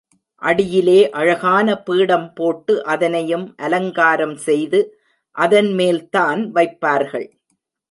அடியிலே அழகான பீடம் போட்டு, அதனையும் அலங்காரம் செய்து அதன்மேல்தான் வைப்பார்கள்.